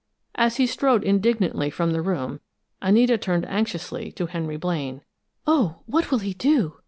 As he strode indignantly from the room, Anita turned anxiously to Henry Blaine. "Oh, what will he do?"